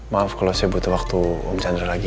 maaf kalau saya butuh waktu om chandra lagi ya